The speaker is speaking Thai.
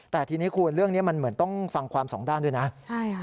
แต่ทีนี้คุณเรื่องนี้มันเหมือนต้องฟังความสองด้านด้วยนะใช่ค่ะ